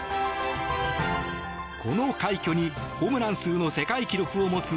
この快挙にホームラン数の世界記録を持つ